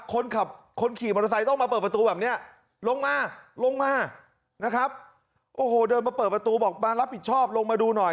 คนขับคนขี่มอเตอร์ไซค์ต้องมาเปิดประตูแบบนี้ลงมาลงมานะครับโอ้โหเดินมาเปิดประตูบอกมารับผิดชอบลงมาดูหน่อย